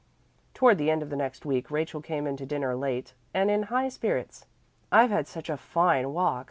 Toward the end of the next week Rachel came in to dinner late and in high spirits. "I've had such a fine walk!"